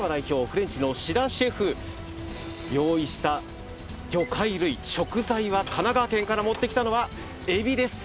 フレンチの志田シェフ用意した魚介類食材は神奈川県から持ってきたのはエビです